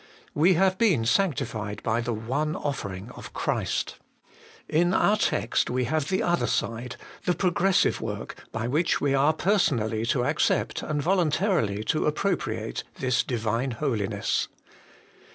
' We have been sanctified by the one offering of Christ.' In our text we have the other side, the progressive work by which we are person ally to accept and voluntarily to appropriate this Divine Holiness.